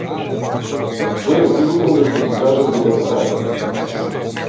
Тоа е сигурно зашто ти кажав те сакам.